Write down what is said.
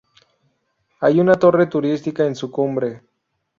Hay una torre turística en su cumbre.